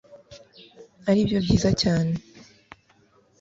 ari byo byiza cyane